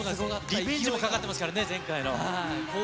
リベンジがかかってますからね、前回の。